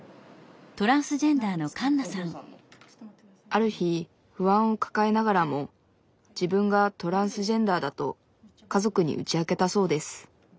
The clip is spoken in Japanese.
ある日不安を抱えながらも自分がトランスジェンダーだと家族に打ち明けたそうです。